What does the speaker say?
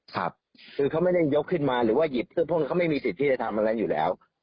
ครับคือเขาไม่ได้ยกขึ้นมาหรือว่าหยิบเพื่อพวกนี้เขาไม่มีสิทธิ์ที่จะทำอะไรอยู่แล้ว